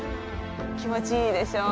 気持ちいいでしょう？